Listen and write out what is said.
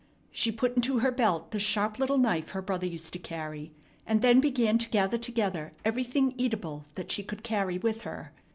She put into her belt the sharp little knife her brother used to carry, and then began to gather together everything eatable that she could carry with her.